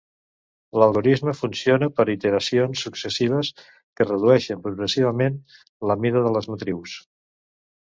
L'algorisme funciona per iteracions successives, que redueixen progressivament la mida de les matrius.